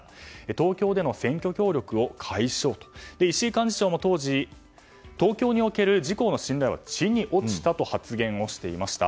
東京での選挙協力を解消ということで石井幹事長も当時東京における自公の信頼は地に落ちたと発言をしていました。